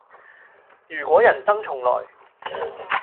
如果人生重來